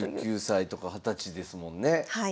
１９歳とか二十歳ですもんね。